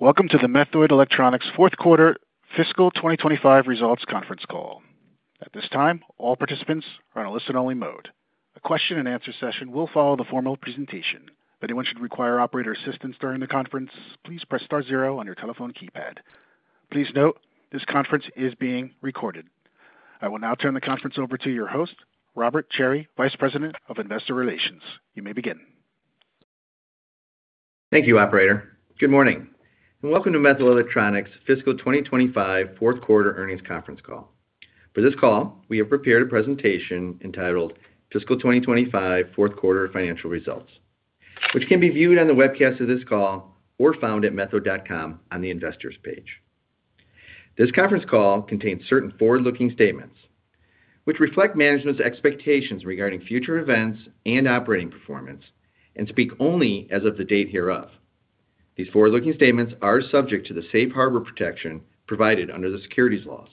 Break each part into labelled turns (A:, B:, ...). A: Welcome to the Methode Electronics Fourth Quarter Fiscal 2025 Results Conference Call. At this time, all participants are in a listen-only mode. A question and answer session will follow the formal presentation. If anyone should require operator assistance during the conference, please press star zero on your telephone keypad. Please note this conference is being recorded. I will now turn the conference over to your host, Robert Cherry, Vice President of Investor Relations. You may begin.
B: Thank you, Operator. Good morning and welcome to Methode Electronics Fiscal 2025 Fourth Quarter Earnings Conference Call. For this call, we have prepared a presentation entitled "Fiscal 2025 Fourth Quarter Financial Results," which can be viewed on the webcast of this call or found at methode.com on the Investors page. This conference call contains certain forward-looking statements which reflect management's expectations regarding future events and operating performance and speak only as of the date hereof. These forward-looking statements are subject to the safe harbor protection provided under the securities laws.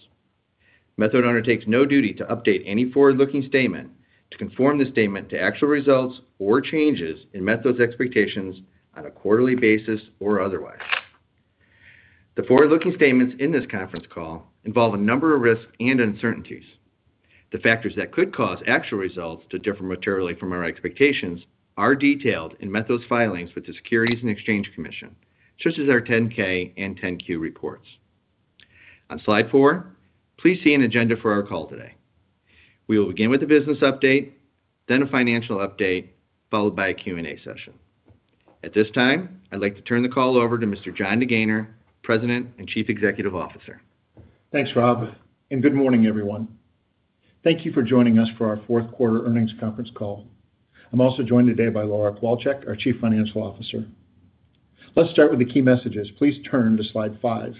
B: Methode undertakes no duty to update any forward-looking statement to conform this statement to actual results or changes in Methode's expectations on a quarterly basis or otherwise. The forward-looking statements in this conference call involve a number of risks and uncertainties. The factors that could cause actual results to differ materially from our expectations are detailed in Methode's filings with the Securities and Exchange Commission, such as our 10-K and 10-Q reports. On slide four, please see an agenda for our call today. We will begin with a business update, then a financial update, followed by a Q&A session. At this time, I'd like to turn the call over to Mr. Jon DeGaynor, President and Chief Executive Officer.
C: Thanks, Rob, and good morning, everyone. Thank you for joining us for our Fourth Quarter Earnings Conference call. I'm also joined today by Laura Kowalchik, our Chief Financial Officer. Let's start with the key messages. Please turn to slide five.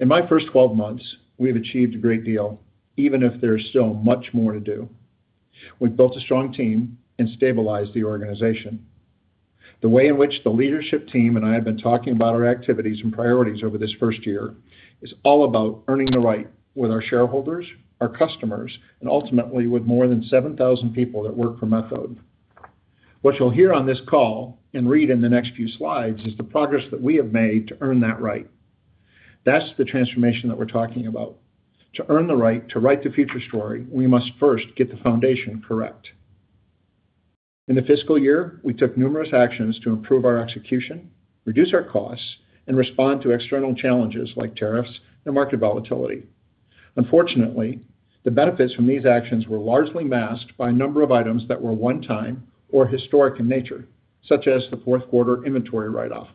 C: In my first 12 months, we have achieved a great deal, even if there is still much more to do. We've built a strong team and stabilized the organization. The way in which the leadership team and I have been talking about our activities and priorities over this first year is all about earning the right with our shareholders, our customers, and ultimately with more than 7,000 people that work for Methode. What you'll hear on this call and read in the next few slides is the progress that we have made to earn that right. That's the transformation that we're talking about. To earn the right to write the future story, we must first get the foundation correct. In the fiscal year, we took numerous actions to improve our execution, reduce our costs, and respond to external challenges like tariffs and market volatility. Unfortunately, the benefits from these actions were largely masked by a number of items that were one-time or historic in nature, such as the fourth quarter inventory write-off.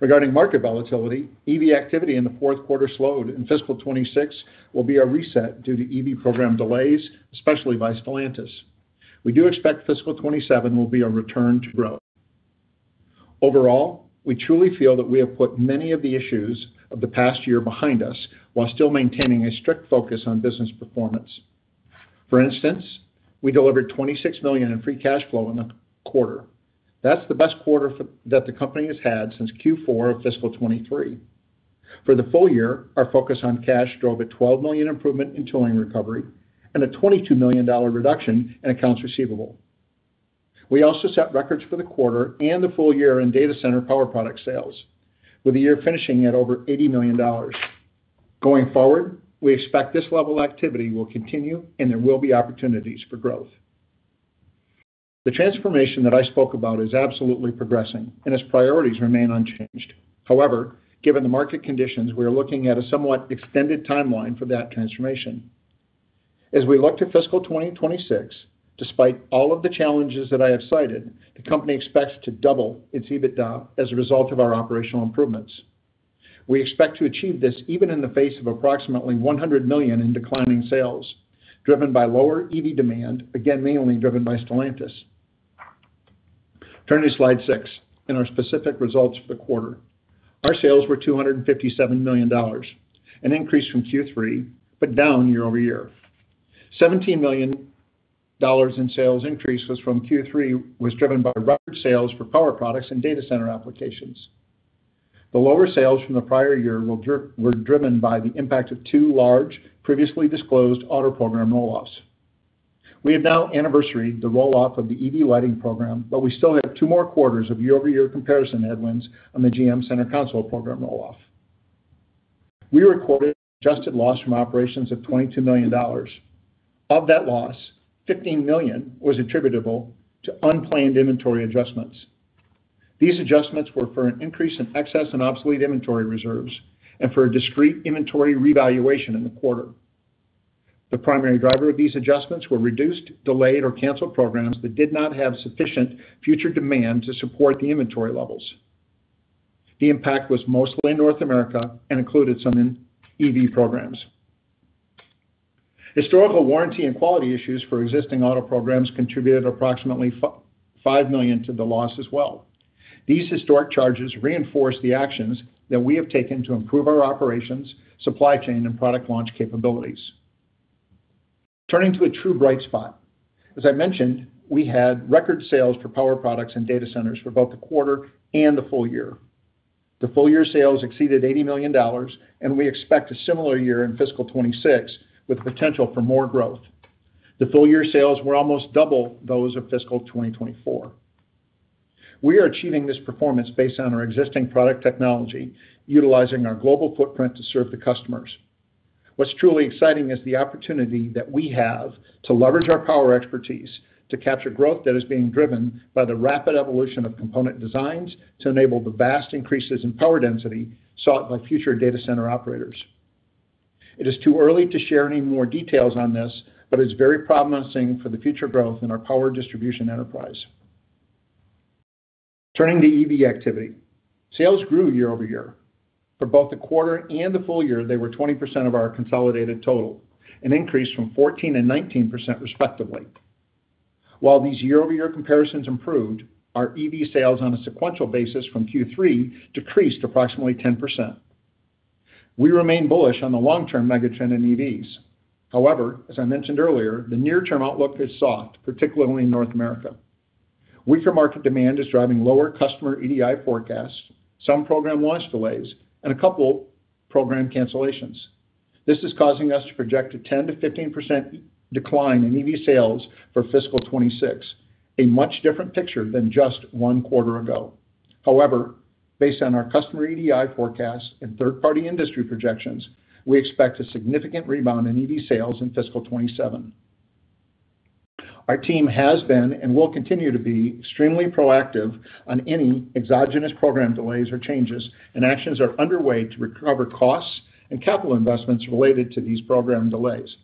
C: Regarding market volatility, EV activity in the fourth quarter slowed and fiscal 2026 will be a reset due to EV program delays, especially by Stellantis. We do expect fiscal 2027 will be a return to growth. Overall, we truly feel that we have put many of the issues of the past year behind us while still maintaining a strict focus on business performance. For instance, we delivered $26 million in free cash flow in the quarter. That's the best quarter that the company has had since Q4 of fiscal 2023. For the full year, our focus on cash drove a $12 million improvement in tooling recovery and a $22 million reduction in accounts receivable. We also set records for the quarter and the full year in data center power product sales, with the year finishing at over $80 million. Going forward, we expect this level of activity will continue and there will be opportunities for growth. The transformation that I spoke about is absolutely progressing and its priorities remain unchanged. However, given the market conditions, we are looking at a somewhat extended timeline for that transformation. As we look to fiscal 2026, despite all of the challenges that I have cited, the company expects to double its EBITDA as a result of our operational improvements. We expect to achieve this even in the face of approximately $100 million in declining sales driven by lower EV demand, again mainly driven by Stellantis. Turn to slide six and our specific results for the quarter. Our sales were $257 million, an increase from Q3, but down year-over-year. The $17 million in sales increase from Q3 was driven by record sales for power products and data center applications. The lower sales from the prior year were driven by the impact of two large previously disclosed auto program rollouts. We have now anniversaried the rollout of the EV lighting program, but we still have two more quarters of year-over-year comparison headwinds on the GM Center Console program rolloff. We recorded adjusted loss from operations of $22 million. Of that loss, $15 million was attributable to unplanned inventory adjustments. These adjustments were for an increase in excess and obsolete inventory reserves and for a discrete inventory revaluation in the quarter. The primary driver of these adjustments were reduced, delayed, or canceled programs that did not have sufficient future demand to support the inventory levels. The impact was mostly in North America and included some in EV programs. Historical warranty and quality issues for existing auto programs contributed approximately $5 million to the loss as well. These historic charges reinforce the actions that we have taken to improve our operations, supply chain, and product launch capabilities. Turning to a true bright spot. As I mentioned, we had record sales for power products and data centers for both the quarter and the full year. The full year sales exceeded $80 million, and we expect a similar year in fiscal 2026 with the potential for more growth. The full year sales were almost double those of fiscal 2024. We are achieving this performance based on our existing product technology, utilizing our global footprint to serve the customers. What's truly exciting is the opportunity that we have to leverage our power expertise to capture growth that is being driven by the rapid evolution of component designs to enable the vast increases in power density sought by future data center operators. It is too early to share any more details on this, but it's very promising for the future growth in our power distribution enterprise. Turning to EV activity, sales grew year-over-year. For both the quarter and the full year, they were 20% of our consolidated total, an increase from 14% and 19% respectively. While these year-over-year comparisons improved, our EV sales on a sequential basis from Q3 decreased approximately 10%. We remain bullish on the long-term megatrend in EVs. However, as I mentioned earlier, the near-term outlook is soft, particularly in North America. Weaker market demand is driving lower customer EDI forecasts, some program launch delays, and a couple of program cancellations. This is causing us to project a 10%-15% decline in EV sales for fiscal 2026, a much different picture than just one quarter ago. However, based on our customer EDI forecasts and third-party industry projections, we expect a significant rebound in EV sales in fiscal 2027. Our team has been and will continue to be extremely proactive on any exogenous program delays or changes, and actions are underway to recover costs and capital investments related to these program delays.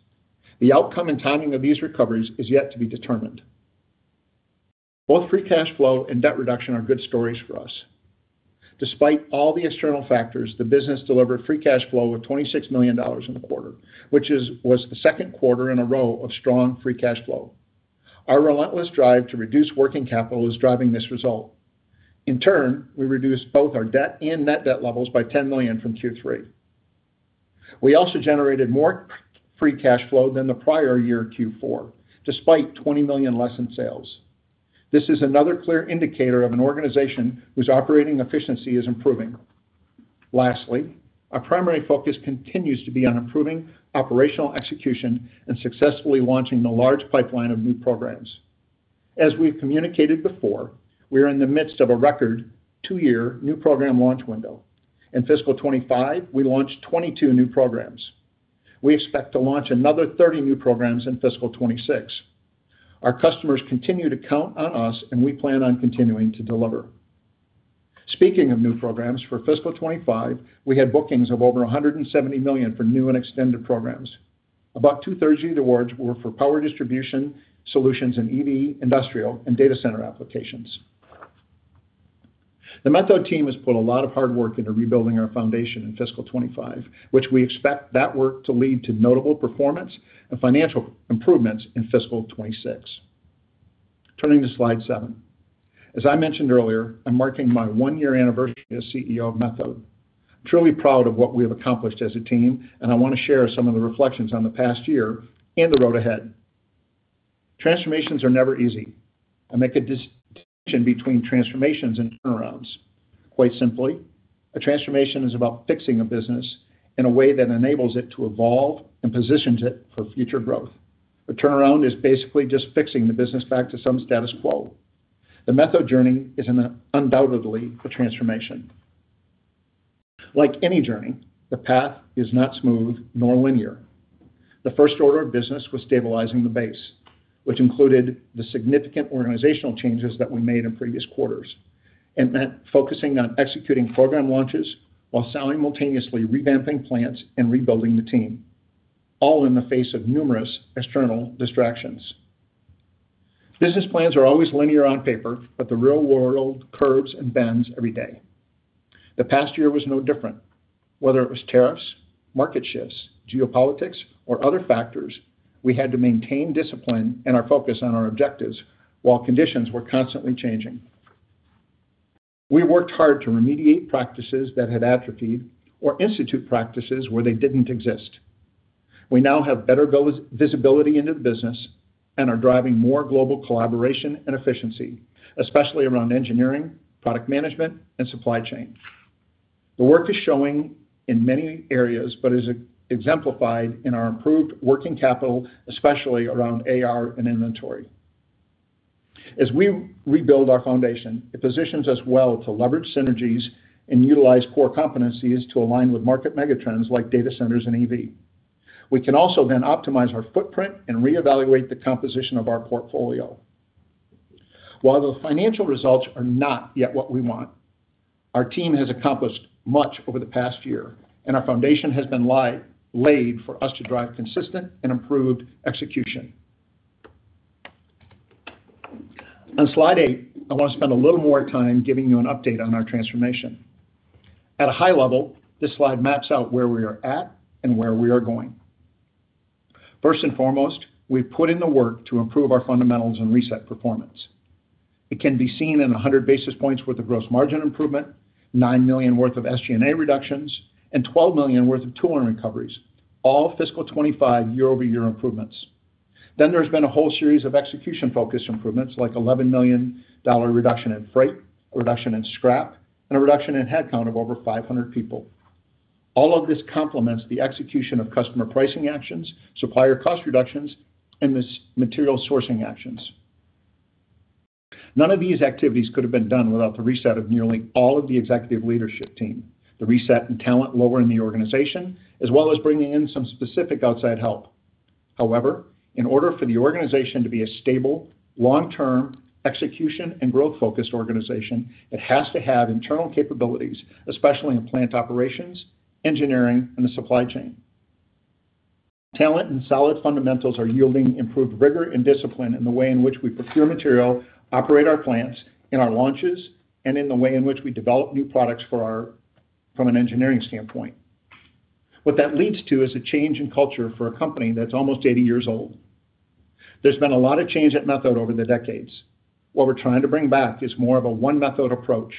C: The outcome and timing of these recoveries is yet to be determined. Both free cash flow and debt reduction are good stories for us. Despite all the external factors, the business delivered free cash flow of $26 million in the quarter, which was the second quarter in a row of strong free cash flow. Our relentless drive to reduce working capital is driving this result. In turn, we reduced both our debt and net debt levels by $10 million from Q3. We also generated more free cash flow than the prior year Q4, despite $20 million less in sales. This is another clear indicator of an organization whose operating efficiency is improving. Lastly, our primary focus continues to be on improving operational execution and successfully launching the large pipeline of new programs. As we've communicated before, we are in the midst of a record two-year new program launch window. In fiscal 2025, we launched 22 new programs. We expect to launch another 30 new programs in fiscal 2026. Our customers continue to count on us, and we plan on continuing to deliver. Speaking of new programs, for fiscal 2025, we had bookings of over $170 million for new and extended programs. About 2/3 of the awards were for power distribution solutions in EV, industrial, and data center applications. The Methode team has put a lot of hard work into rebuilding our foundation in fiscal 2025, which we expect that work to lead to notable performance and financial improvements in fiscal 2026. Turning to slide seven. As I mentioned earlier, I'm marking my one-year anniversary as CEO of Methode. I'm truly proud of what we have accomplished as a team, and I want to share some of the reflections on the past year and the road ahead. Transformations are never easy. I make a distinction between transformations and turnarounds. Quite simply, a transformation is about fixing a business in a way that enables it to evolve and positions it for future growth. A turnaround is basically just fixing the business back to some status quo. The Methode journey is undoubtedly a transformation. Like any journey, the path is not smooth nor linear. The first order of business was stabilizing the base, which included the significant organizational changes that we made in previous quarters, and that focusing on executing program launches while simultaneously revamping plants and rebuilding the team, all in the face of numerous external distractions. Business plans are always linear on paper, but the real world curves and bends every day. The past year was no different. Whether it was tariffs, market shifts, geopolitics, or other factors, we had to maintain discipline and our focus on our objectives while conditions were constantly changing. We worked hard to remediate practices that had atrophied or institute practices where they didn't exist. We now have better visibility into the business and are driving more global collaboration and efficiency, especially around engineering, product management, and supply chain. The work is showing in many areas, but is exemplified in our improved working capital, especially around accounts receivable and inventory. As we rebuild our foundation, it positions us well to leverage synergies and utilize core competencies to align with market megatrends like data centers and EV. We can also then optimize our footprint and reevaluate the composition of our portfolio. While the financial results are not yet what we want, our team has accomplished much over the past year, and our foundation has been laid for us to drive consistent and improved execution. On slide eight, I want to spend a little more time giving you an update on our transformation. At a high level, this slide maps out where we are at and where we are going. First and foremost, we've put in the work to improve our fundamentals and reset performance. It can be seen in 100 basis points with the gross margin improvement, $9 million worth of SG&A reductions, and $12 million worth of tooling recoveries, all fiscal 2025 year-over-year improvements. There has been a whole series of execution-focused improvements like an $11 million reduction in freight, a reduction in scrap, and a reduction in headcount of over 500 people. All of this complements the execution of customer pricing actions, supplier cost reductions, and material sourcing actions. None of these activities could have been done without the reset of nearly all of the executive leadership team, the reset and talent lower in the organization, as well as bringing in some specific outside help. However, in order for the organization to be a stable, long-term execution and growth-focused organization, it has to have internal capabilities, especially in plant operations, engineering, and the supply chain. Talent and solid fundamentals are yielding improved rigor and discipline in the way in which we procure material, operate our plants, our launches, and in the way in which we develop new products from an engineering standpoint. What that leads to is a change in culture for a company that's almost 80 years old. There has been a lot of change at Methode over the decades. What we're trying to bring back is more of a OneMethod approach,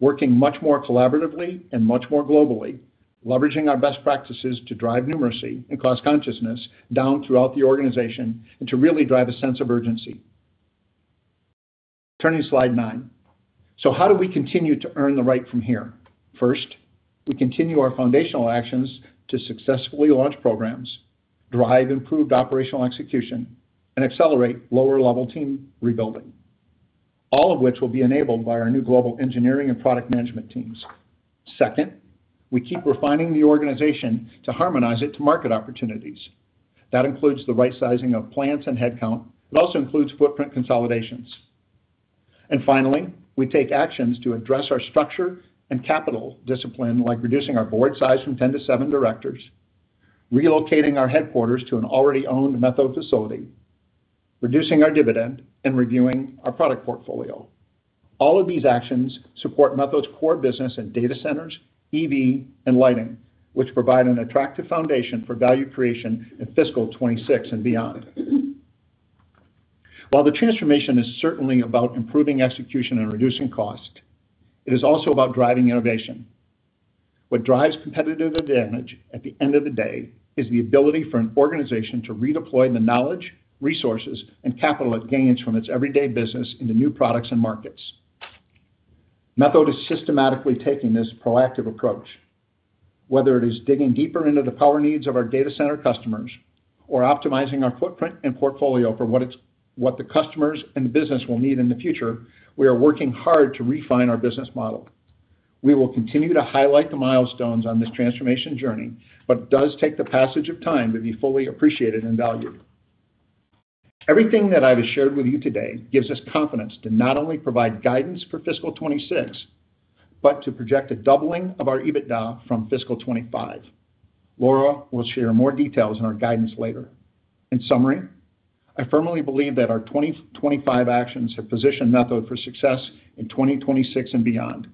C: working much more collaboratively and much more globally, leveraging our best practices to drive numeracy and cost consciousness down throughout the organization and to really drive a sense of urgency. Turning to slide nine. How do we continue to earn the right from here? First, we continue our foundational actions to successfully launch programs, drive improved operational execution, and accelerate lower-level team rebuilding, all of which will be enabled by our new global engineering and product management teams. Second, we keep refining the organization to harmonize it to market opportunities. That includes the right sizing of plants and headcount. It also includes footprint consolidations. Finally, we take actions to address our structure and capital discipline, like reducing our board size from 10 to seven directors, relocating our headquarters to an already owned Methode facility, reducing our dividend, and reviewing our product portfolio. All of these actions support Methode's core business in data centers, EV, and lighting, which provide an attractive foundation for value creation in fiscal 2026 and beyond. While the transformation is certainly about improving execution and reducing cost, it is also about driving innovation. What drives competitive advantage at the end of the day is the ability for an organization to redeploy the knowledge, resources, and capital it gains from its everyday business into new products and markets. Methode is systematically taking this proactive approach, whether it is digging deeper into the power needs of our data center customers or optimizing our footprint and portfolio for what the customers and the business will need in the future. We are working hard to refine our business model. We will continue to highlight the milestones on this transformation journey, but it does take the passage of time to be fully appreciated and valued. Everything that I have shared with you today gives us confidence to not only provide guidance for fiscal 2026, but to project a doubling of our EBITDA from fiscal 2025. Laura will share more details in our guidance later. In summary, I firmly believe that our 2025 actions have positioned Methode for success in 2026 and beyond.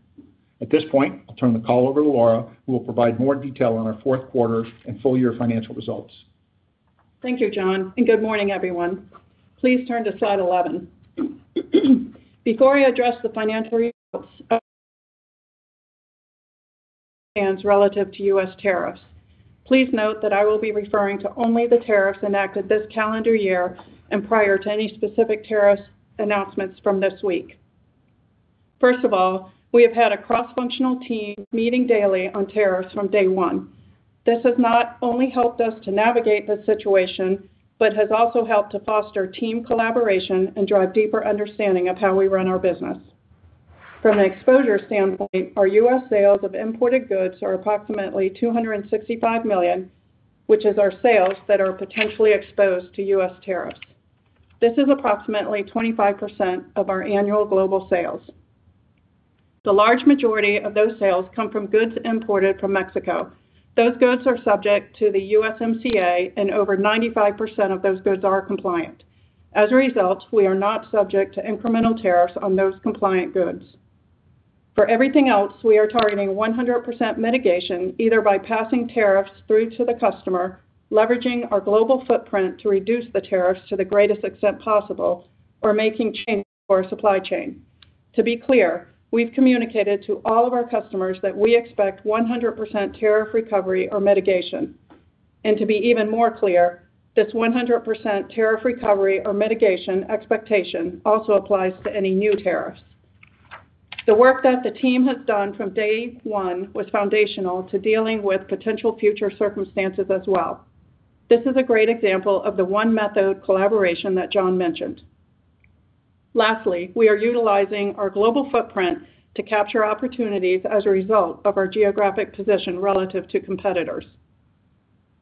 C: At this point, I'll turn the call over to Laura, who will provide more detail on our fourth quarter and full-year financial results.
D: Thank you, Jon, and good morning, everyone. Please turn to slide 11. Before I address the financial results and relative to U.S. tariffs, please note that I will be referring to only the tariffs enacted this calendar year and prior to any specific tariff announcements from this week. First of all, we have had a cross-functional team meeting daily on tariffs from day one. This has not only helped us to navigate the situation, but has also helped to foster team collaboration and drive deeper understanding of how we run our business. From an exposure standpoint, our U.S. sales of imported goods are approximately $265 million, which is our sales that are potentially exposed to U.S. tariffs. This is approximately 25% of our annual global sales. The large majority of those sales come from goods imported from Mexico. Those goods are subject to the USMCA, and over 95% of those goods are compliant. As a result, we are not subject to incremental tariffs on those compliant goods. For everything else, we are targeting 100% mitigation, either by passing tariffs through to the customer, leveraging our global footprint to reduce the tariffs to the greatest extent possible, or making changes to our supply chain. To be clear, we've communicated to all of our customers that we expect 100% tariff recovery or mitigation. To be even more clear, this 100% tariff recovery or mitigation expectation also applies to any new tariffs. The work that the team has done from day one was foundational to dealing with potential future circumstances as well. This is a great example of the OneMethod collaboration that Jon mentioned. Lastly, we are utilizing our global footprint to capture opportunities as a result of our geographic position relative to competitors.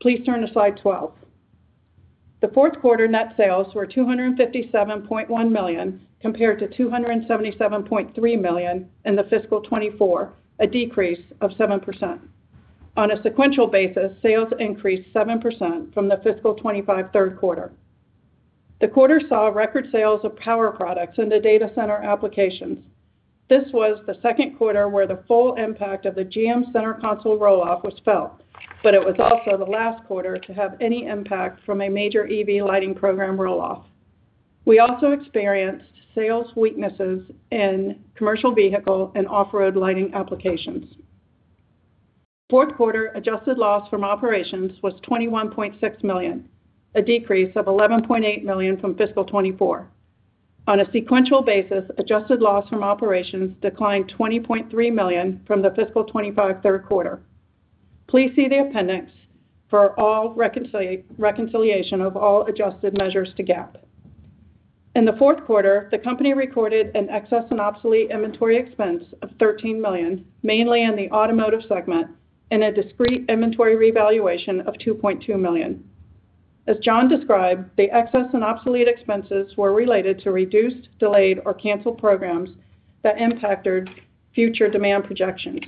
D: Please turn to slide 12. The fourth quarter net sales were $257.1 million compared to $277.3 million in fiscal 2024, a decrease of 7%. On a sequential basis, sales increased 7% from the fiscal 2025 third quarter. The quarter saw record sales of power products in the data center applications. This was the second quarter where the full impact of the GM Center Console rollout was felt, but it was also the last quarter to have any impact from a major EV lighting program rollout. We also experienced sales weaknesses in commercial vehicle and off-road lighting applications. Fourth quarter adjusted loss from operations was $21.6 million, a decrease of $11.8 million from fiscal 2024. On a sequential basis, adjusted loss from operations declined $20.3 million from the fiscal 2025 third quarter. Please see the appendix for all reconciliation of all adjusted measures to GAAP. In the fourth quarter, the company recorded an excess and obsolete inventory expense of $13 million, mainly in the automotive segment, and a discrete inventory revaluation of $2.2 million. As John described, the excess and obsolete expenses were related to reduced, delayed, or canceled programs that impacted future demand projections.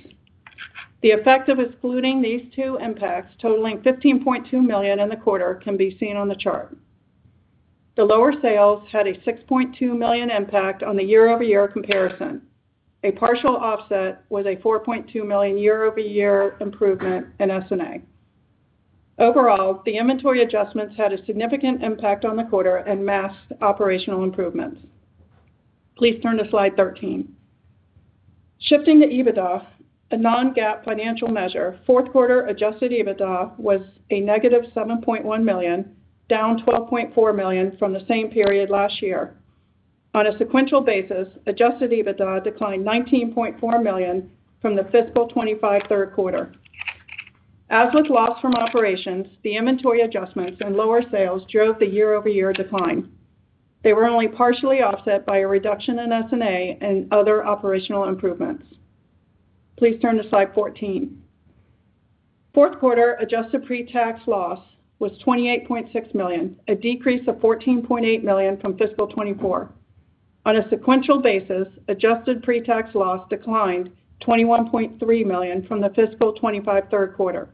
D: The effect of excluding these two impacts totaling $15.2 million in the quarter can be seen on the chart. The lower sales had a $6.2 million impact on the year-over-year comparison, a partial offset with a $4.2 million year-over-year improvement in SG&A. Overall, the inventory adjustments had a significant impact on the quarter and masked operational improvements. Please turn to slide 13. Shifting to EBITDA, a non-GAAP financial measure, fourth quarter adjusted EBITDA was a -$7.1 million, down $12.4 million from the same period last year. On a sequential basis, adjusted EBITDA declined $19.4 million from the fiscal 2025 third quarter. As with loss from operations, the inventory adjustments and lower sales drove the year-over-year decline. They were only partially offset by a reduction in SG&A and other operational improvements. Please turn to slide 14. Fourth quarter adjusted pre-tax loss was $28.6 million, a decrease of $14.8 million from fiscal 2024. On a sequential basis, adjusted pre-tax loss declined $21.3 million from the fiscal 2025 third quarter.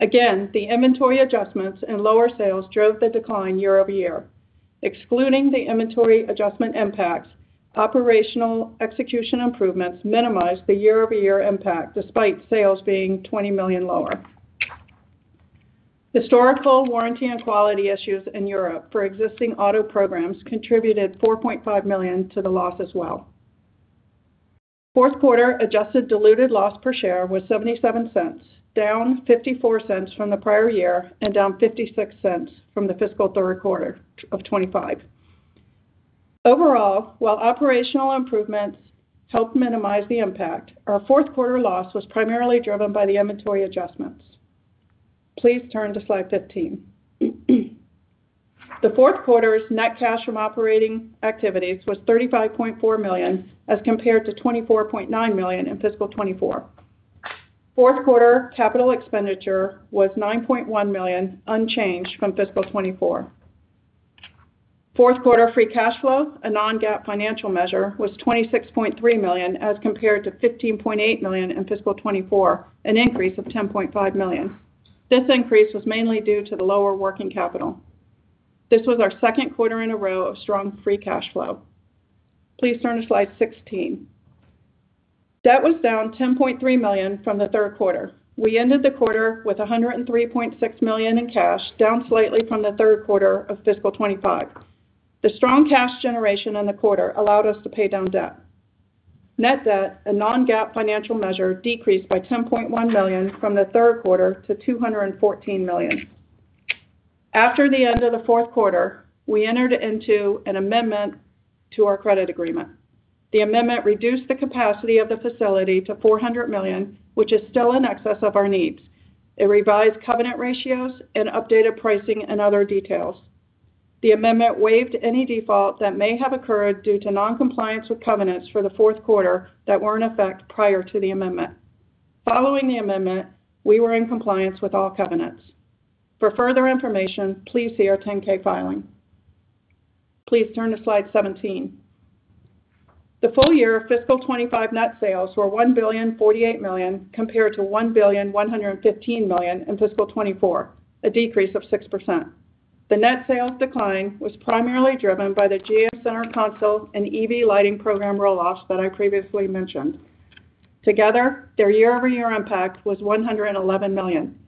D: Again, the inventory adjustments and lower sales drove the decline year-over-year. Excluding the inventory adjustment impacts, operational execution improvements minimized the year-over-year impact despite sales being $20 million lower. Historical warranty and quality issues in Europe for existing auto programs contributed $4.5 million to the loss as well. Fourth quarter adjusted diluted loss per share was $0.77, down $0.54 from the prior year, and down $0.56 from the fiscal third quarter of 2025. Overall, while operational improvements helped minimize the impact, our fourth quarter loss was primarily driven by the inventory adjustments. Please turn to slide 15. The fourth quarter's net cash from operating activities was $35.4 million as compared to $24.9 million in fiscal 2024. Fourth quarter capital expenditure was $9.1 million, unchanged from fiscal 2024. Fourth quarter free cash flow, a non-GAAP financial measure, was $26.3 million as compared to $15.8 million in fiscal 2024, an increase of $10.5 million. This increase was mainly due to the lower working capital. This was our second quarter in a row of strong free cash flow. Please turn to slide 16. Debt was down $10.3 million from the third quarter. We ended the quarter with $103.6 million in cash, down slightly from the third quarter of fiscal 2025. The strong cash generation in the quarter allowed us to pay down debt. Net debt, a non-GAAP financial measure, decreased by $10.1 million from the third quarter to $214 million. After the end of the fourth quarter, we entered into an amendment to our credit agreement. The amendment reduced the capacity of the facility to $400 million, which is still in excess of our needs. It revised covenant ratios and updated pricing and other details. The amendment waived any default that may have occurred due to non-compliance with covenants for the fourth quarter that were in effect prior to the amendment. Following the amendment, we were in compliance with all covenants. For further information, please see our 10-K filing. Please turn to slide 17. The full year of fiscal 2025 net sales were $1,048,000,000 compared to $1,115,000,000 in fiscal 2024, a decrease of 6%. The net sales decline was primarily driven by the GM center console and EV lighting program rollouts that I previously mentioned. Together, their year-over-year impact was $111 million,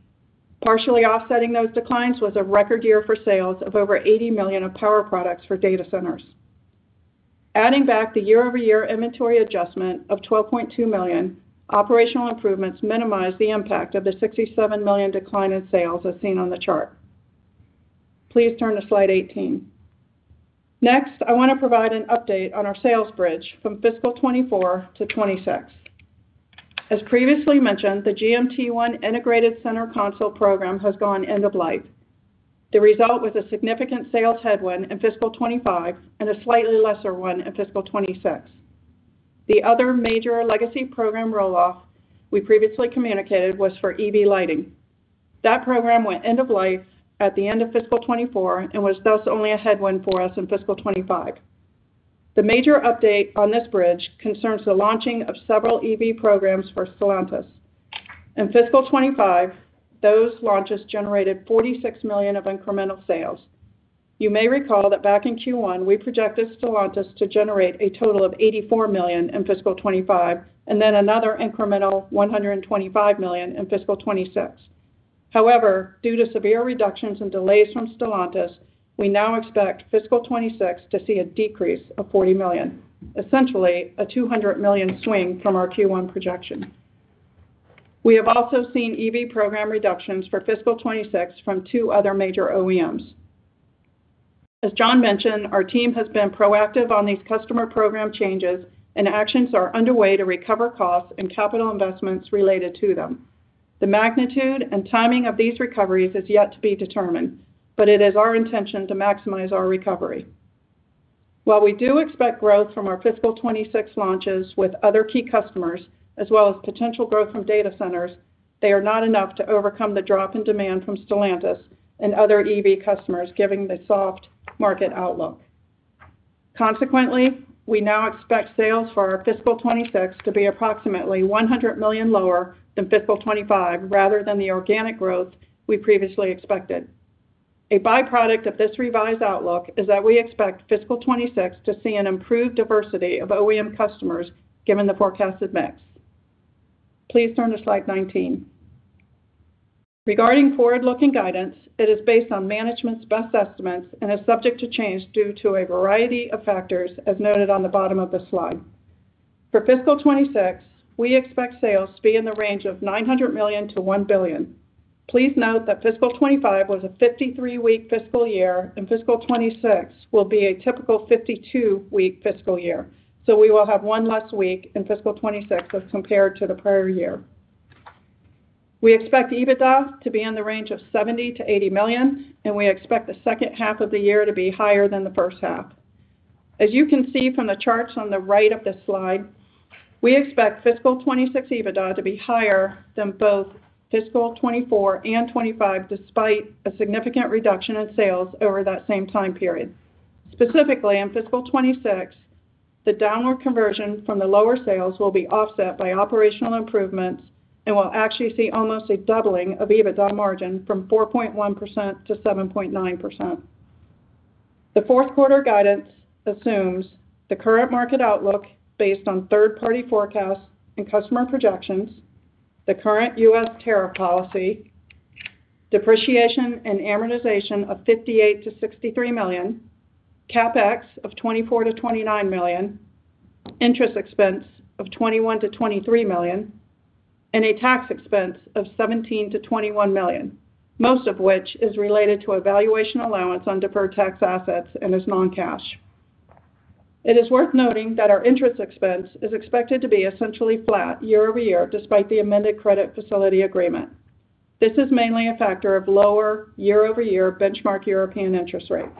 D: partially offsetting those declines with a record year for sales of over $80 million of power products for data centers. Adding back the year-over-year inventory adjustment of $12.2 million, operational improvements minimized the impact of the $67 million decline in sales as seen on the chart. Please turn to slide 18. Next, I want to provide an update on our sales bridge from fiscal 2024 to 2026. As previously mentioned, the GM T1 Integrated Center Console program has gone end of life. The result was a significant sales headwind in fiscal 2025 and a slightly lesser one in fiscal 2026. The other major legacy program rollout we previously communicated was for EV lighting. That program went end of life at the end of fiscal 2024 and was thus only a headwind for us in fiscal 2025. The major update on this bridge concerns the launching of several EV programs for Stellantis. In fiscal 2025, those launches generated $46 million of incremental sales. You may recall that back in Q1, we projected Stellantis to generate a total of $84 million in fiscal 2025 and then another incremental $125 million in fiscal 2026. However, due to severe reductions and delays from Stellantis, we now expect fiscal 2026 to see a decrease of $40 million, essentially a $200 million swing from our Q1 projection. We have also seen EV program reductions for fiscal 2026 from two other major OEMs. As Jon mentioned, our team has been proactive on these customer program changes and actions are underway to recover costs and capital investments related to them. The magnitude and timing of these recoveries is yet to be determined, but it is our intention to maximize our recovery. While we do expect growth from our fiscal 2026 launches with other key customers, as well as potential growth from data centers, they are not enough to overcome the drop in demand from Stellantis and other EV customers, given the soft market outlook. Consequently, we now expect sales for our fiscal 2026 to be approximately $100 million lower than fiscal 2025, rather than the organic growth we previously expected. A byproduct of this revised outlook is that we expect fiscal 2026 to see an improved diversity of OEM customers, given the forecasted mix. Please turn to slide 19. Regarding forward-looking guidance, it is based on management's best estimates and is subject to change due to a variety of factors, as noted on the bottom of the slide. For fiscal 2026, we expect sales to be in the range of $900 million to $1 billion. Please note that fiscal 2025 was a 53-week fiscal year and fiscal 2026 will be a typical 52-week fiscal year. We will have one less week in fiscal 2026 as compared to the prior year. We expect EBITDA to be in the range of $70 million-$80 million and we expect the second half of the year to be higher than the first half. As you can see from the charts on the right of this slide, we expect fiscal 2026 EBITDA to be higher than both fiscal 2024 and 2025, despite a significant reduction in sales over that same time period. Specifically, in fiscal 2026, the downward conversion from the lower sales will be offset by operational improvements and will actually see almost a doubling of EBITDA margin from 4.1%-7.9%. The fourth quarter guidance assumes the current market outlook based on third-party forecasts and customer projections, the current U.S. Tariff policy, depreciation and amortization of $58 million-$63 million, CapEx of $24 million-$29 million, interest expense of $21 million-$23 million, and a tax expense of $17 million-$21 million, most of which is related to a valuation allowance on deferred tax assets and is non-cash. It is worth noting that our interest expense is expected to be essentially flat year-over-year, despite the amended credit facility agreement. This is mainly a factor of lower year-over-year benchmark European interest rates.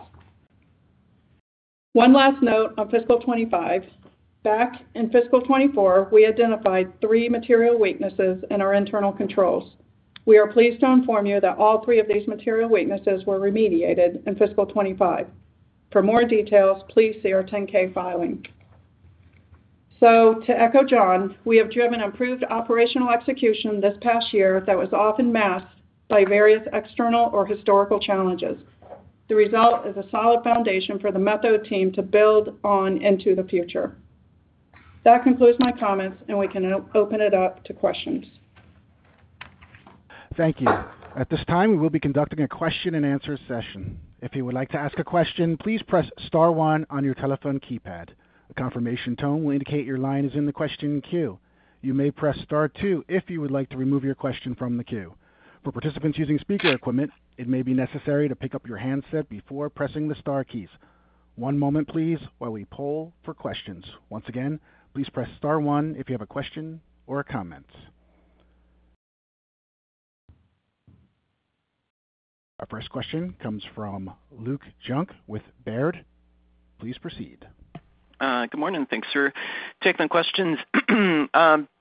D: One last note on fiscal 2025. Back in fiscal 2024, we identified three material weaknesses in our internal controls. We are pleased to inform you that all three of these material weaknesses were remediated in fiscal 2025. For more details, please see our 10-K filing. To echo Jon, we have driven improved operational execution this past year that was often masked by various external or historical challenges. The result is a solid foundation for the Methode team to build on into the future. That concludes my comments, and we can open it up to questions.
A: Thank you. At this time, we will be conducting a question and answer session. If you would like to ask a question, please press star one on your telephone keypad. A confirmation tone will indicate your line is in the question queue. You may press star two if you would like to remove your question from the queue. For participants using speaker equipment, it may be necessary to pick up your handset before pressing the star keys. One moment, please, while we poll for questions. Once again, please press star one if you have a question or comments. Our first question comes from Luke Junk with Baird. Please proceed.
E: Good morning. Thanks for taking the questions.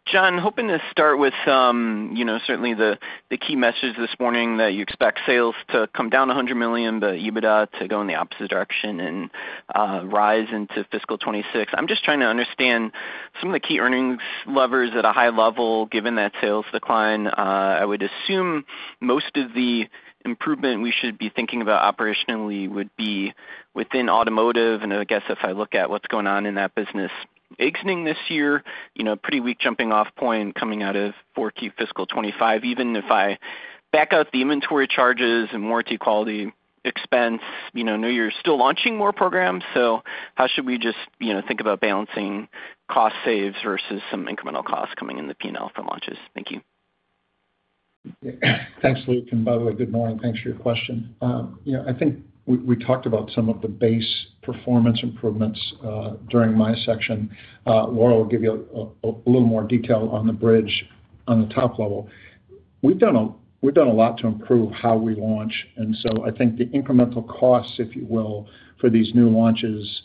E: Jon, hoping to start with, you know, certainly the key message this morning that you expect sales to come down $100 million, the EBITDA to go in the opposite direction and rise into fiscal 2026. I'm just trying to understand some of the key earnings levers at a high level, given that sales decline. I would assume most of the improvement we should be thinking about operationally would be within automotive, and I guess if I look at what's going on in that business exiting this year, you know, a pretty weak jumping-off point coming out of fourth fiscal 2025. Even if I back out the inventory charges and warranty and quality expense, you know, I know you're still launching more programs, so how should we just, you know, think about balancing cost saves versus some incremental costs coming in the P&L from launches? Thank you.
C: Thanks, Luke, and by the way, good morning. Thanks for your question. I think we talked about some of the base performance improvements during my section. Laura will give you a little more detail on the bridge on the top level. We've done a lot to improve how we launch, and I think the incremental costs, if you will, for these new launches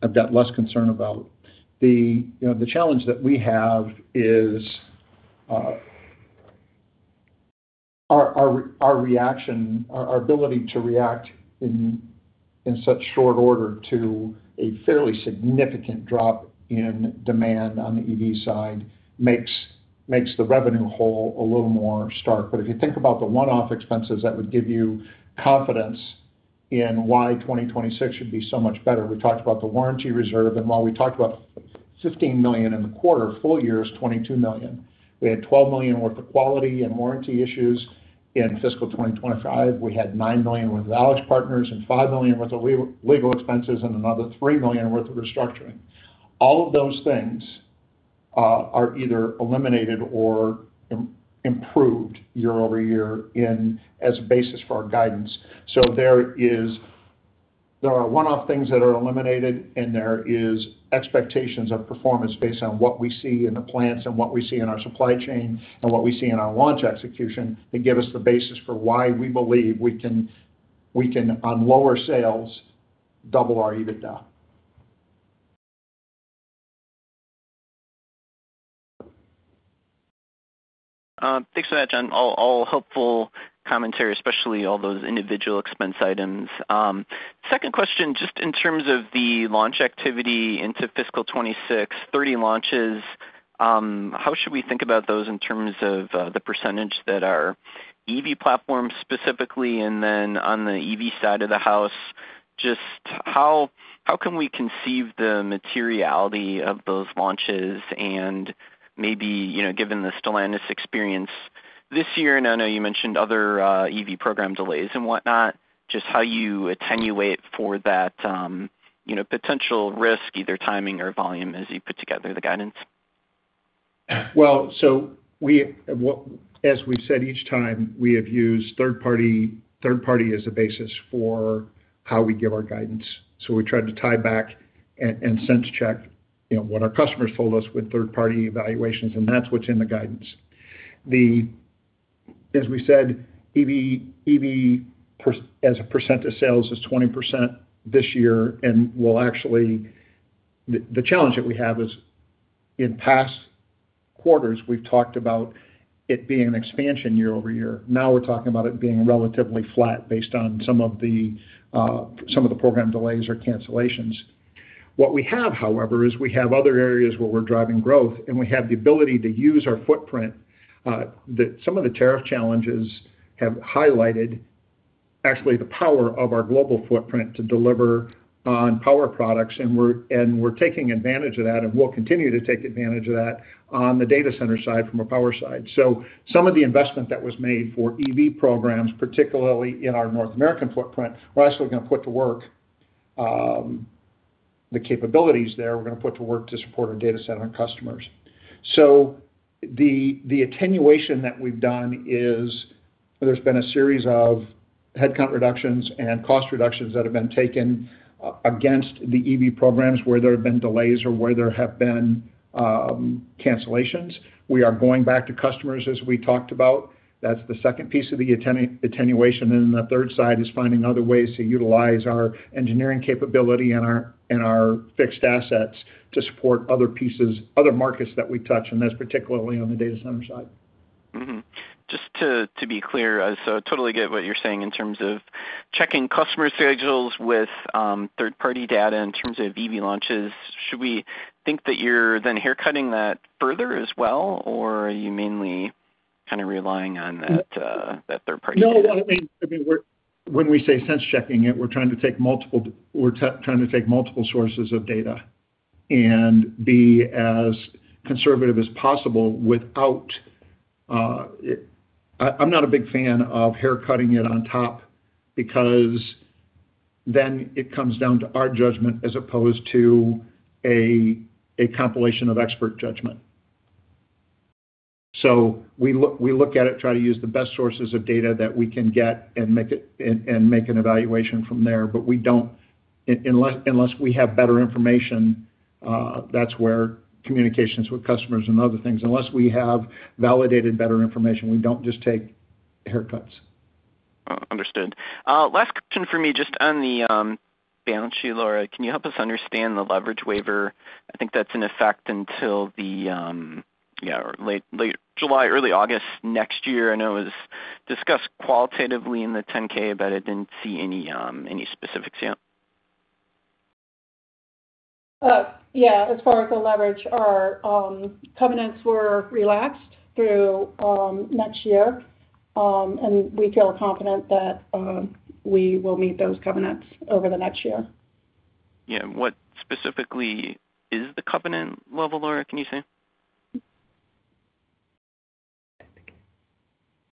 C: I've got less concern about. The challenge that we have is our reaction, our ability to react in such short order to a fairly significant drop in demand on the EV side makes the revenue hole a little more stark. If you think about the one-off expenses that would give you confidence in why 2026 should be so much better, we talked about the warranty reserve, and while we talked about $15 million in the quarter, full year is $22 million. We had $12 million worth of quality and warranty issues, and in fiscal 2025, we had $9 million worth of outage partners and $5 million worth of legal expenses and another $3 million worth of restructuring. All of those things are either eliminated or improved year-over-year as a basis for our guidance. There are one-off things that are eliminated, and there are expectations of performance based on what we see in the plants and what we see in our supply chain and what we see in our launch execution that give us the basis for why we believe we can, on lower sales, double our EBITDA.
E: Thanks for that, Jon. All helpful commentary, especially all those individual expense items. Second question, just in terms of the launch activity into fiscal 2026, 30 launches, how should we think about those in terms of the percentage that are EV platforms specifically and then on the EV side of the house? Just how can we conceive the materiality of those launches and maybe, you know, given the Stellantis experience this year, and I know you mentioned other EV program delays and whatnot, just how you attenuate for that, you know, potential risk, either timing or volume, as you put together the guidance?
C: As we've said each time, we have used third party as a basis for how we give our guidance. We tried to tie back and sense check what our customers told us with third-party evaluations, and that's what's in the guidance. As we said, EV as a percentage of sales is 20% this year, and the challenge that we have is in past quarters, we've talked about it being an expansion year-over-year. Now we're talking about it being relatively flat based on some of the program delays or cancellations. What we have, however, is we have other areas where we're driving growth, and we have the ability to use our footprint. Some of the tariff challenges have highlighted the power of our global footprint to deliver on power products, and we're taking advantage of that, and we'll continue to take advantage of that on the data center side from a power side. Some of the investment that was made for EV programs, particularly in our North American footprint, we're actually going to put to work the capabilities there. We're going to put to work to support our data center and customers. The attenuation that we've done is there's been a series of headcount reductions and cost reductions that have been taken against the EV programs where there have been delays or where there have been cancellations. We are going back to customers, as we talked about. That's the second piece of the attenuation, and the third side is finding other ways to utilize our engineering capability and our fixed assets to support other pieces, other markets that we touch, and that's particularly on the data center side.
E: Just to be clear, I totally get what you're saying in terms of checking customer schedules with third-party data in terms of EV launches. Should we think that you're then haircutting that further as well, or are you mainly kind of relying on that third party?
C: No, I mean, when we say sense checking it, we're trying to take multiple sources of data and be as conservative as possible without... I'm not a big fan of haircutting it on top because then it comes down to our judgment as opposed to a compilation of expert judgment. We look at it, try to use the best sources of data that we can get and make an evaluation from there, but we don't, unless we have better information, that's where communications with customers and other things, unless we have validated better information, we don't just take haircuts.
E: Understood. Last question for me, just on the balance sheet, Laura, can you help us understand the leverage waiver? I think that's in effect until the late July, early August next year. I know it was discussed qualitatively in the 10-K, but I didn't see any specifics yet.
D: As far as the leverage, our covenants were relaxed through next year, and we feel confident that we will meet those covenants over the next year.
E: Yeah, what specifically is the covenant level, Laura, can you say?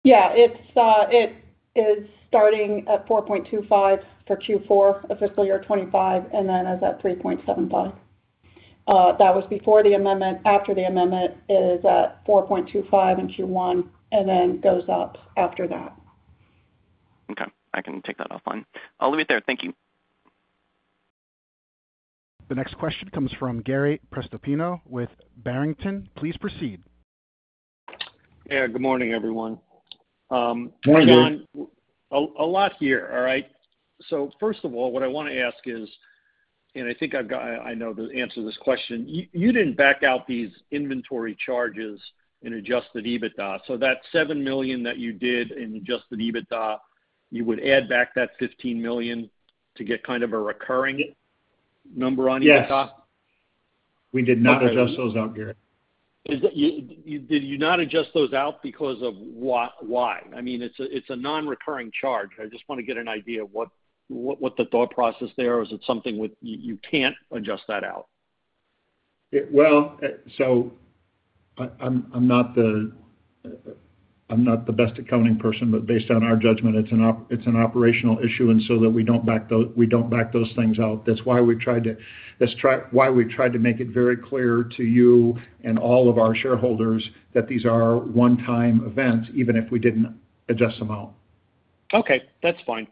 D: It is starting at 4.25 for Q4 of fiscal year 2025, and then is at 3.75. That was before the amendment. After the amendment, it is at 4.25 in Q1, and then goes up after that.
E: Okay, I can take that offline. I'll leave it there. Thank you.
A: The next question comes from Gary Prestopino with Barrington. Please proceed.
F: Good morning, everyone.
C: Morning, Gary.
F: A lot here, all right? First of all, what I want to ask is, and I think I know the answer to this question, you didn't back out these inventory charges in adjusted EBITDA. That $7 million that you did in adjusted EBITDA, you would add back that $15 million to get kind of a recurring number on EBITDA?
C: Yes. We did not adjust those out, Gary.
F: Did you not adjust those out because of why? I mean, it's a non-recurring charge. I just want to get an idea of what the thought process there is. Is it something that you can't adjust that out?
C: I'm not the best accounting person, but based on our judgment, it's an operational issue, and so that we don't back those things out. That's why we tried to make it very clear to you and all of our shareholders that these are one-time events, even if we didn't adjust them out.
F: Okay, that's fine.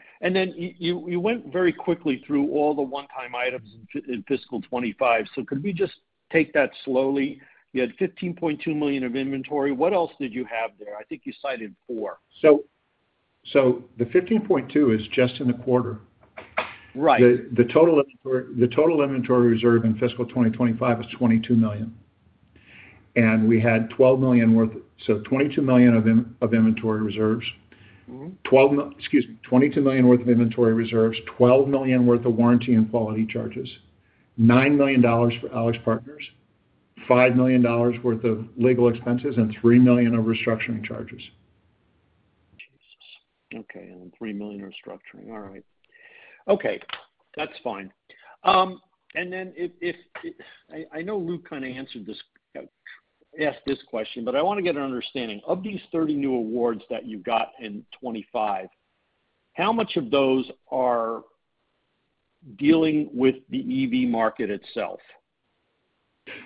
F: You went very quickly through all the one-time items in fiscal 2025. Could we just take that slowly? You had $15.2 million of inventory. What else did you have there? I think you cited four.
C: The $15.2 is just in the quarter.
F: Right.
C: The total inventory reserve in fiscal 2025 is $22 million, and we had $12 million worth, so $22 million of inventory reserves. Excuse me, $22 million worth of inventory reserves, $12 million worth of warranty and quality charges, $9 million for outage partners, $5 million worth of legal expenses, and $3 million of restructuring charges.
F: Okay, and $3 million restructuring. All right. That's fine. If I know Luke kind of asked this question, but I want to get an understanding. Of these 30 new awards that you got in 2025, how much of those are dealing with the EV market itself?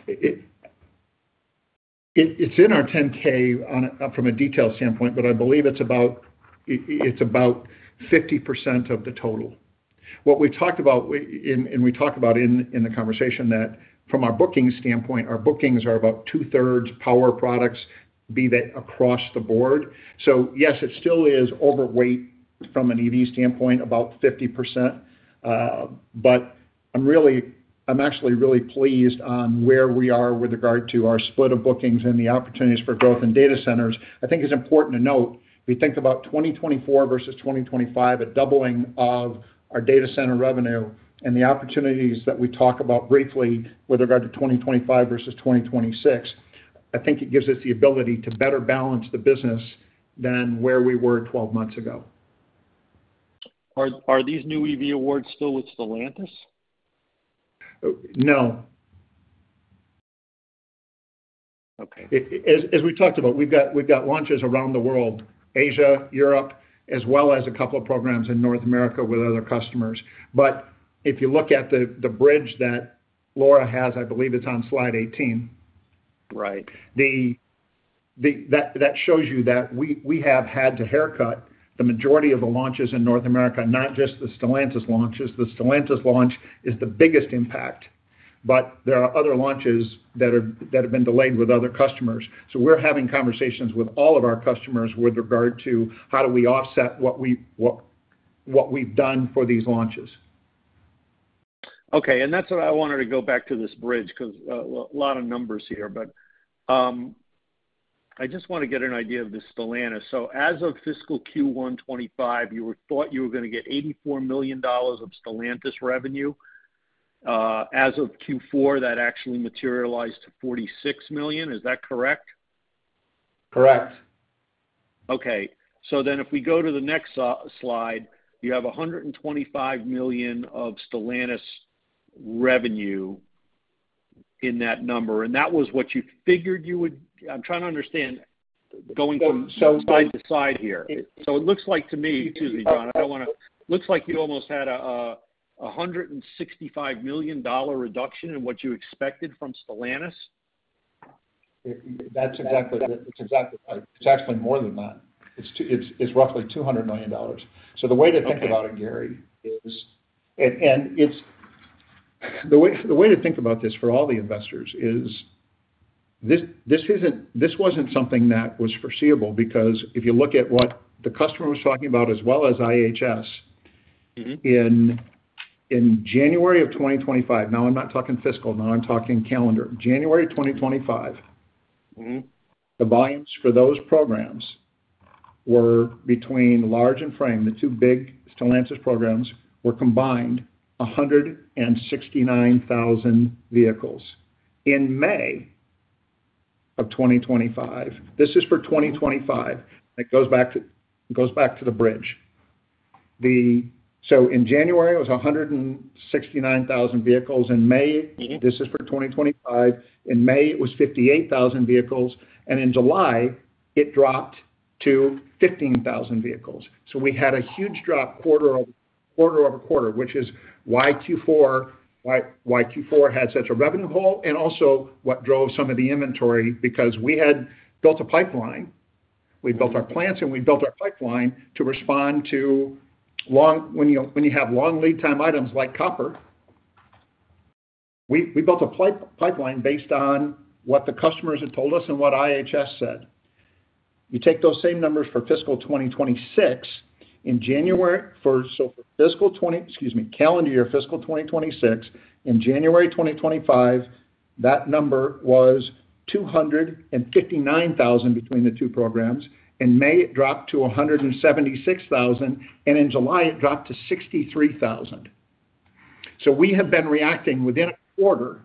C: It's in our 10-K from a detailed standpoint, but I believe it's about 50% of the total. What we've talked about, and we talked about in the conversation, that from our booking standpoint, our bookings are about 2/3 power products, be that across the board. Yes, it still is overweight from an EV standpoint, about 50%. I'm actually really pleased on where we are with regard to our split of bookings and the opportunities for growth in data centers. I think it's important to note, we think about 2024 versus 2025, a doubling of our data center revenue, and the opportunities that we talked about briefly with regard to 2025 versus 2026. I think it gives us the ability to better balance the business than where we were 12 months ago.
F: Are these new EV awards still with Stellantis?
C: No.
F: Okay.
C: As we talked about, we've got launches around the world, Asia, Europe, as well as a couple of programs in North America with other customers. If you look at the bridge that Laura has, I believe it's on slide 18.
F: Right.
C: That shows you that we have had to haircut the majority of the launches in North America, not just the Stellantis launches. The Stellantis launch is the biggest impact, but there are other launches that have been delayed with other customers. We are having conversations with all of our customers with regard to how do we offset what we've done for these launches.
F: Okay, that's what I wanted to go back to, this bridge, because a lot of numbers here, but I just want to get an idea of the Stellantis. As of fiscal Q1 2025, you thought you were going to get $84 million of Stellantis revenue. As of Q4, that actually materialized to $46 million, is that correct?
C: Correct.
F: Okay, if we go to the next slide, you have $125 million of Stellantis revenue in that number, and that was what you figured you would. I'm trying to understand, going from side to side here. It looks like to me, excuse me, John, I don't want to, it looks like you almost had a $165 million reduction in what you expected from Stellantis?
C: That's exactly, it's actually more than that. It's roughly $200 million. The way to think about it, Gary, is, and it's the way to think about this for all the investors, this wasn't something that was foreseeable because if you look at what the customer was talking about, as well as IHS, in January 2025, now I'm not talking fiscal, now I'm talking calendar, January 2025, the volumes for those programs were between large and frame. The two big Stellantis programs were combined 169,000 vehicles. In May 2025, this is for 2025. It goes back to the bridge. In January, it was 169,000 vehicles. In May, it was 58,000 vehicles. In July, it dropped to 15,000 vehicles. We had a huge drop quarter over quarter, which is why Q4 had such a revenue hole, and also what drove some of the inventory because we had built a pipeline. We built our plants and we built our pipeline to respond to long, when you have long lead time items like copper, we built a pipeline based on what the customers had told us and what IHS said. You take those same numbers for fiscal 2026 in January, for calendar year fiscal 2026, in January 2025, that number was 259,000 between the two programs. In May, it dropped to 176,000, and in July, it dropped to 63,000. We have been reacting within a quarter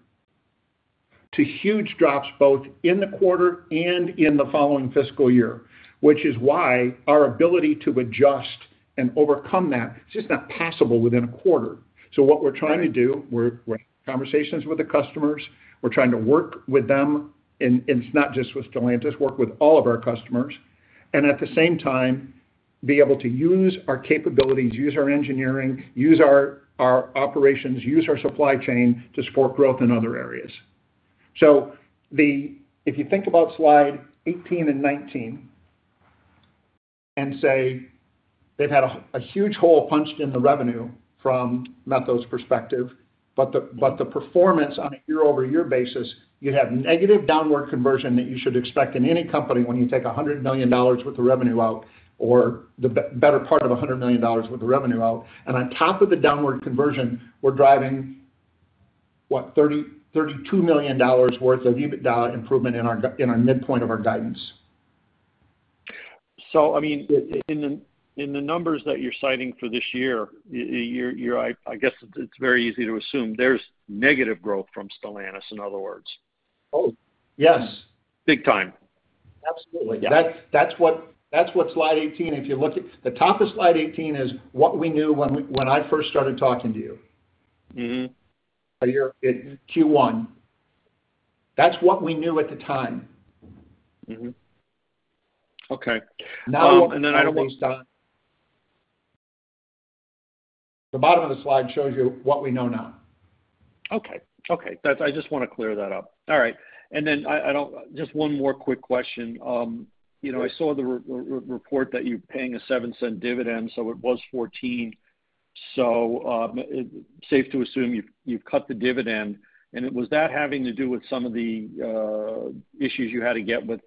C: to huge drops both in the quarter and in the following fiscal year, which is why our ability to adjust and overcome that, it's just not possible within a quarter. We're in conversations with the customers, we're trying to work with them, and it's not just with Stellantis, work with all of our customers, and at the same time, be able to use our capabilities, use our engineering, use our operations, use our supply chain to support growth in other areas. If you think about slide 18 and 19 and say they've had a huge hole punched in the revenue from Methode's perspective, the performance on a year-over-year basis, you'd have negative downward conversion that you should expect in any company when you take $100 million worth of revenue out or the better part of $100 million worth of revenue out. On top of the downward conversion, we're driving $32 million worth of EBITDA improvement in our midpoint of our guidance.
F: I mean, in the numbers that you're citing for this year, I guess it's very easy to assume there's negative growth from Stellantis, in other words.
C: Oh, yes. Big time. Absolutely. That's what slide 18, if you look at the top of slide 18, is what we knew when I first started talking to you.
F: Mm-hmm.
C: At Q1, that's what we knew at the time.
F: Mm-hmm. Okay.
C: I don't want to stop. The bottom of the slide shows you what we know now.
F: Okay. I just want to clear that up. All right. I don't, just one more quick question. I saw the report that you're paying a $0.07 dividend, so it was $0.14. It's safe to assume you cut the dividend. Was that having to do with some of the issues you had to get with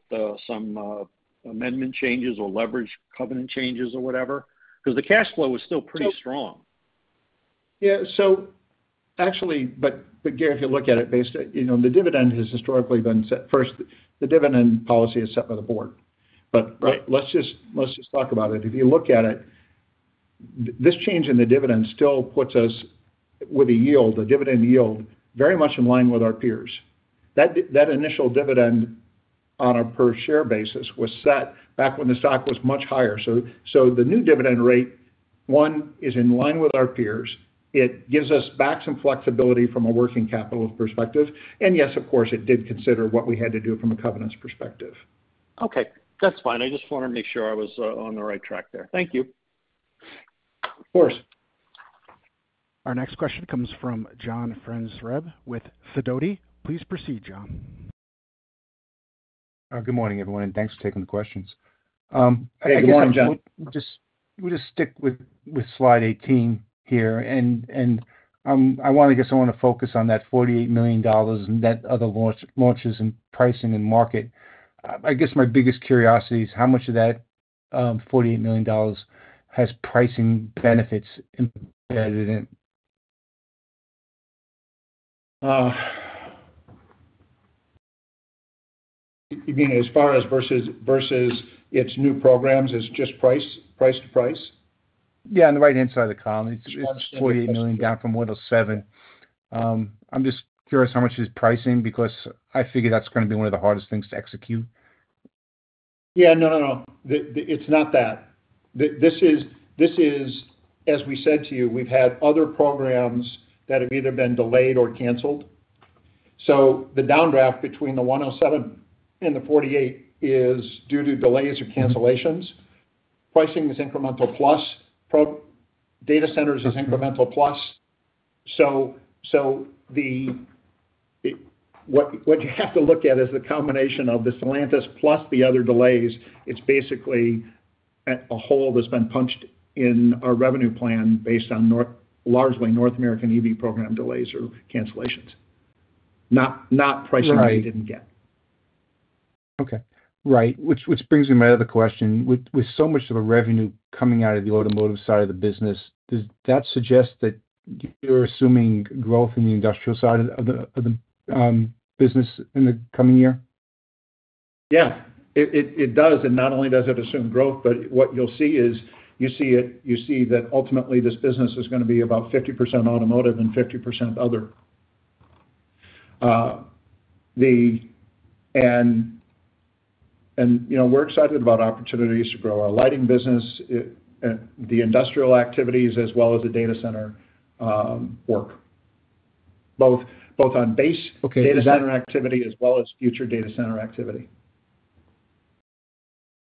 F: some amendment changes or leverage covenant changes or whatever? Because the cash flow was still pretty strong.
C: Yeah. Gary, if you look at it based, you know, the dividend has historically been set. First, the dividend policy is set by the Board. Let's just talk about it. If you look at it, this change in the dividend still puts us with a yield, a dividend yield, very much in line with our peers. That initial dividend on a per share basis was set back when the stock was much higher. The new dividend rate, one, is in line with our peers. It gives us back some flexibility from a working capital perspective. Yes, of course, it did consider what we had to do from a covenant's perspective.
F: Okay, that's fine. I just wanted to make sure I was on the right track there. Thank you.
C: Of course.
A: Our next question comes from John Franzreb with Sidoti. Please proceed, John.
G: Good morning, everyone, and thanks for taking the questions.
C: Hey, good morning, John.
G: Let's just stick with slide 18 here. I want to focus on that $48 million and that other launches and pricing and market. My biggest curiosity is how much of that $48 million has pricing benefits impaired in it?
C: You mean as far as versus its new programs as just price to price?
G: Yeah, on the right-hand side of the column, it's $48 million, down from $107 million. I'm just curious how much is pricing because I figure that's going to be one of the hardest things to execute.
C: It's not that. As we said to you, we've had other programs that have either been delayed or canceled. The downdraft between the $107 million and the $48 million is due to delays or cancellations. Pricing is incremental plus. Data centers is incremental plus. What you have to look at is the combination of the Stellantis plus the other delays. It's basically a hole that's been punched in our revenue plan based on largely North American EV program delays or cancellations, not pricing that we didn't get.
G: Okay. Right. Which brings me to my other question. With so much of the revenue coming out of the automotive side of the business, does that suggest that you're assuming growth in the industrial side of the business in the coming year?
C: Yeah, it does. Not only does it assume growth, but what you'll see is you see that ultimately this business is going to be about 50% automotive and 50% other. We're excited about opportunities to grow our lighting business, the industrial activities, as well as the data center work, both on base data center activity as well as future data center activity.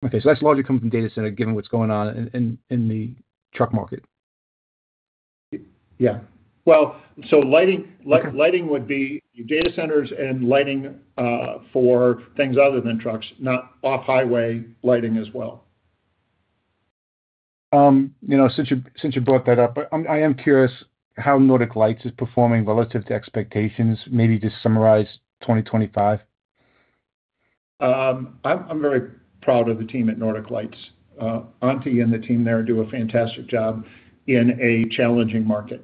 G: Okay, that's largely coming from data center power products given what's going on in the truck market.
C: Lighting would be data center power products and lighting for things other than trucks, not off-highway lighting as well.
G: Since you brought that up, I am curious how Nordic Lights is performing relative to expectations. Maybe just summarize 2025.
C: I'm very proud of the team at Nordic Lights. Antti and the team there do a fantastic job in a challenging market.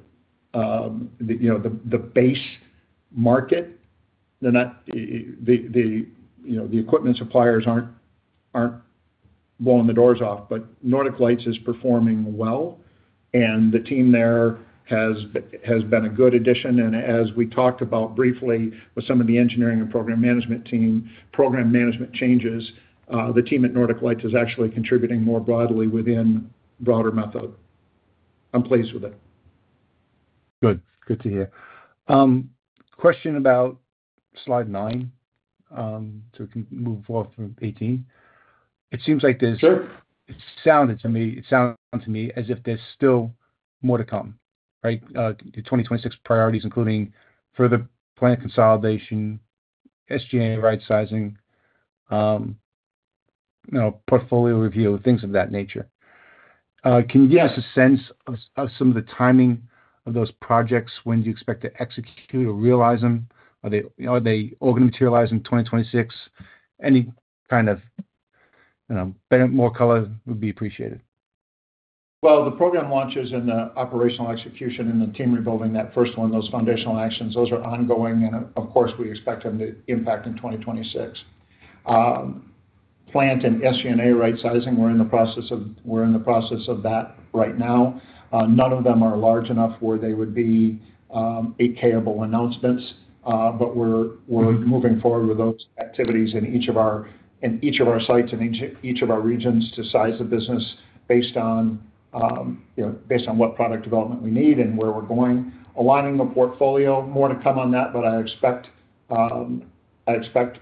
C: The base market, the equipment suppliers aren't blowing the doors off, but Nordic Lights is performing well. The team there has been a good addition. As we talked about briefly with some of the engineering and program management changes, the team at Nordic Lights is actually contributing more broadly within broader Methode. I'm pleased with it.
G: Good. Good to hear. Question about slide nine to move forward through 18. It seems like there's, it sounds to me, it sounds to me as if there's still more to come, right? The 2026 priorities, including further plant consolidation, SG&A rightsizing, portfolio review, things of that nature. Can you give us a sense of some of the timing of those projects? When do you expect to execute or realize them? Are they organized and materialized in 2026? Any kind of, you know, better, more color would be appreciated.
C: The program launches and the operational execution and the team rebuilding, that first one, those foundational actions, those are ongoing. Of course, we expect them to impact in 2026. Plant and SG&A rightsizing, we're in the process of that right now. None of them are large enough where they would be AK-able announcements, but we're moving forward with those activities in each of our sites and each of our regions to size the business based on what product development we need and where we're going. Aligning the portfolio, more to come on that, but I expect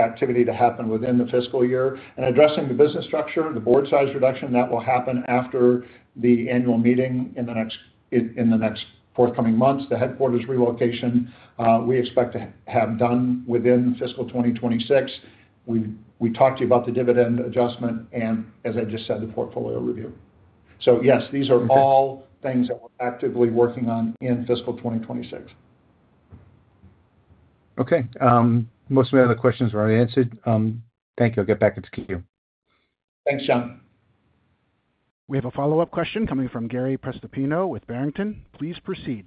C: activity to happen within the fiscal year and addressing the business structure, the board size reduction that will happen after the annual meeting in the next forthcoming months, the headquarters relocation. We expect to have done within fiscal 2026. We talked to you about the dividend adjustment and, as I just said, the portfolio review. Yes, these are all things that we're actively working on in fiscal 2026.
G: Okay. Most of my other questions were already answered. Thank you. I'll get back up to keep you.
C: Thanks, John.
A: We have a follow-up question coming from Gary Prestopino with Barrington. Please proceed.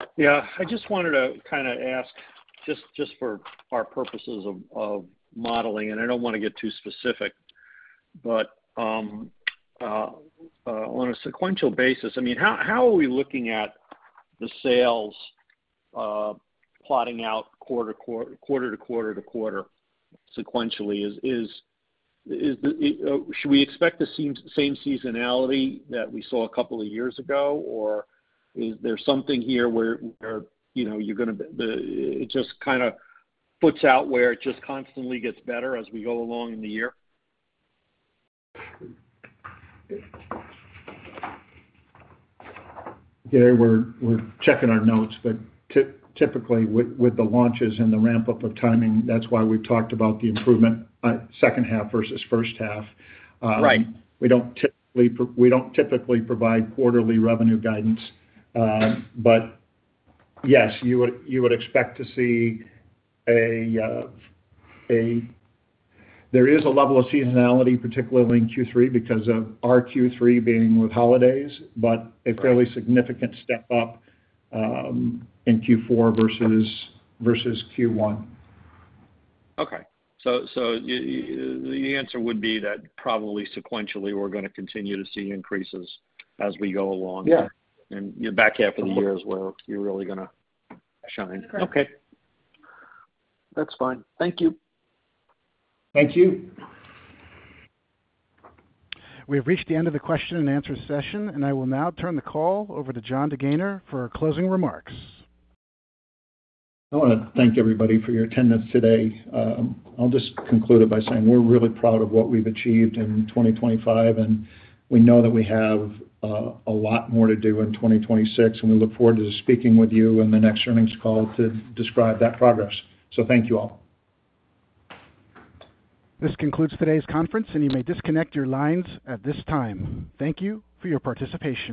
F: I just wanted to kind of ask, just for our purposes of modeling, and I don't want to get too specific, but on a sequential basis, how are we looking at the sales plotting out quarter to quarter-to-quarter sequentially? Should we expect the same seasonality that we saw a couple of years ago, or is there something here where you're going to, it just kind of puts out where it just constantly gets better as we go along in the year?
C: Gary, we're checking our notes, but typically with the launches and the ramp-up of timing, that's why we've talked about the improvement second half versus first half.
F: Right.
C: We don't typically provide quarterly revenue guidance. Yes, you would expect to see a, there is a level of seasonality, particularly in Q3, because of our Q3 being with holidays, but a fairly significant step up in Q4 versus Q1.
F: Okay, the answer would be that probably sequentially, we're going to continue to see increases as we go along.
C: Yeah.
F: Your back half of the year is where you're really going to shine.
C: Okay, that's fine. Thank you.
F: Thank you.
A: We have reached the end of the question and answer session, and I will now turn the call over to Jon DeGaynor for our closing remarks.
C: I want to thank everybody for your attendance today. I'll just conclude it by saying we're really proud of what we've achieved in 2025, and we know that we have a lot more to do in 2026. We look forward to speaking with you in the next earnings call to describe that progress. Thank you all.
A: This concludes today's conference, and you may disconnect your lines at this time. Thank you for your participation.